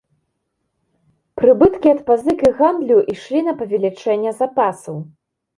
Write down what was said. Прыбыткі ад пазык і гандлю ішлі на павелічэнне запасаў.